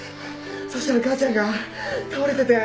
そしたら母ちゃんが倒れてて。